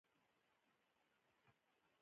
په دې ډول چاپېریال کې خلک د خلاقیت وړتیا لري.